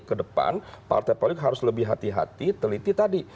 kedepan partai politik harus lebih hati hati teliti tadi